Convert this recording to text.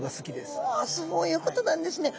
うわそういうことなんですね。